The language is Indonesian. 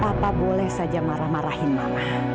papa boleh saja marah marahin mama